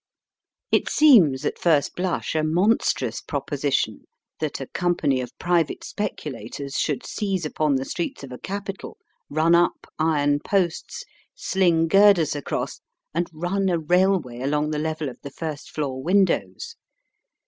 It seems at first blush a monstrous proposition that a company of private speculators should seize upon the streets of a capital, run up iron posts, sling girders across, and run a railway along the level of the first floor windows.